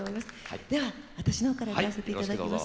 では私の方から歌わせていただきます。